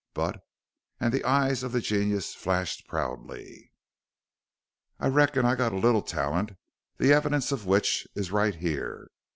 But" and the eyes of the genius flashed proudly "I reckon I've got a little talyunt, the evidence of which is right here!"